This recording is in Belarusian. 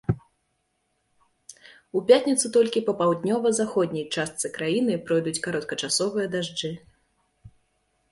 У пятніцу толькі па паўднёва-заходняй частцы краіны пройдуць кароткачасовыя дажджы.